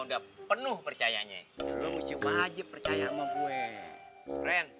udah penuh percayanya percaya sama gue